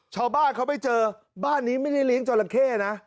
ชาวบ้านเขาไปเจอบ้านนี้ไม่ได้เลี้ยงจราเข้นะ